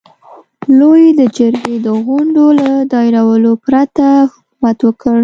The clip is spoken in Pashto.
لويي د جرګې د غونډو له دایرولو پرته حکومت وکړ.